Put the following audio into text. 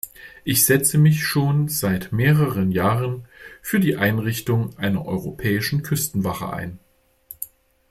Ich setze mich schon seit mehreren Jahren für die Einrichtung einer Europäischen Küstenwache ein.